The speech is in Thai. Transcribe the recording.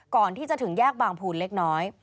ก่อนที่จะถึงแยกบางภูนเล็กน้อย